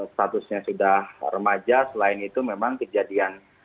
statusnya sudah remaja selain itu memang kejadian